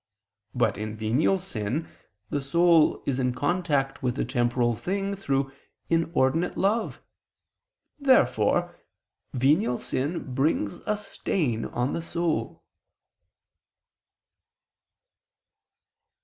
But, in venial sin, the soul is in contact with a temporal thing through inordinate love. therefore, venial sin brings a stain on the soul.